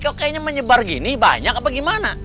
kok kayaknya menyebar gini banyak apa gimana